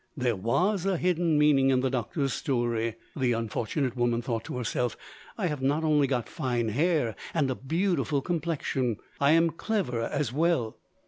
There was a hidden meaning in the doctor's story. The unfortunate woman thought to herself, "I have not only got fine hair and a beautiful complexion; I am clever as well!"